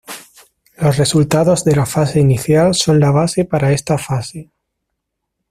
Los resultados de la fase inicial son la base para esta fase.